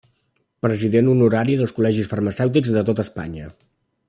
President honorari dels col·legis farmacèutics de tot Espanya.